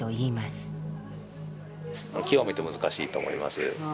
極めて難しいと思います。